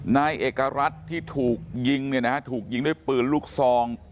นายเอกรัฐที่ถูกยิงเนี่ยนะฮะถูกยิงด้วยปืนลูกซอง